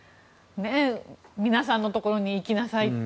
皆さんのところに行きなさいって